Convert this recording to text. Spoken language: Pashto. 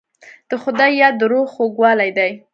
د خدای یاد د روح خوږوالی دی.